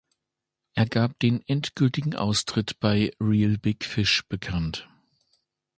Er gab den endgültigen Austritt bei Reel Big Fish bekannt.